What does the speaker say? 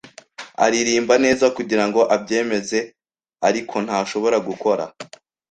Aririmba neza, kugirango abyemeze, ariko ntashobora gukora.